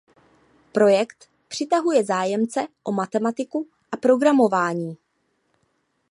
Projekt přitahuje zájemce o matematiku a programování.